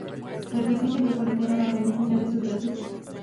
Regresó y se dio por entero a la organización de su Diócesis.